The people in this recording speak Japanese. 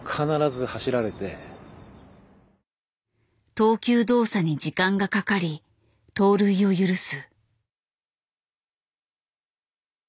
投球動作に時間がかかり盗塁を許す。